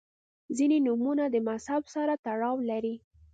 • ځینې نومونه د مذهب سره تړاو لري.